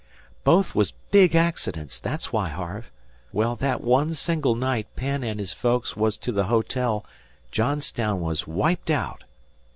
"Both was big accidents thet's why, Harve. Well, that one single night Penn and his folks was to the hotel Johnstown was wiped out.